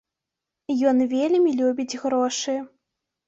Ён вельмі любіць грошы.